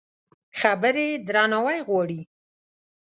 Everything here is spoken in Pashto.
خبرې درناوی غواړي.